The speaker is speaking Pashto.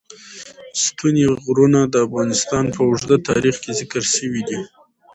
ستوني غرونه د افغانستان په اوږده تاریخ کې ذکر شوی دی.